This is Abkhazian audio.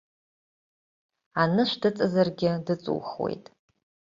Анышә дыҵазаргьы дыҵухуеит!